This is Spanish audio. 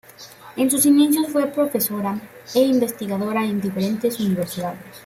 En sus inicios fue profesora e investigadora en diferentes universidades.